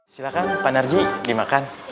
silahkan pak narji dimakan